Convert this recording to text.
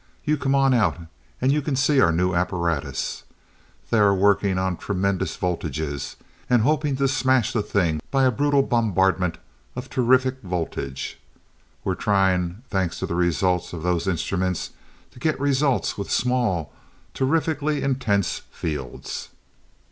You come on out, and you can see our new apparatus. They are working on tremendous voltages, and hoping to smash the thing by a brutal bombardment of terrific voltage. We're trying, thanks to the results of those instruments, to get results with small, terrifically intense fields."